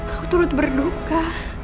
aku turut berduka aku